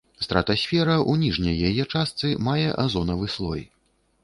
Стратасфера ў ніжняй яе частцы мае азонавы слой.